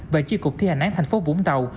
và chi cục thi hành án thành phố vũng tàu